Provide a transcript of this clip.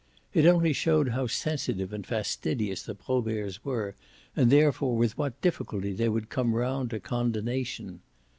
It only showed how sensitive and fastidious the Proberts were and therefore with what difficulty they would come round to condonation.